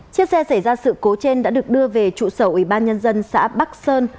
chiếc xe xảy ra sự cố trên đã được đưa về trụ sở ủy ban nhân dân xã bắc sơn